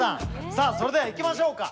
さあそれではいきましょうか。